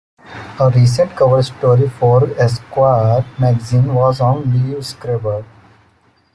A recent cover story for Esquire magazine was on Liev Schreiber.